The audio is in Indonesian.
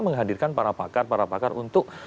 menghadirkan para pakar para pakar untuk